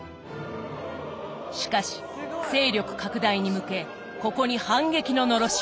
しかし勢力拡大に向けここに反撃ののろしを上げた。